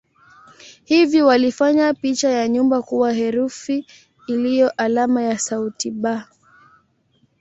Hivyo walifanya picha ya nyumba kuwa herufi iliyo alama ya sauti "b".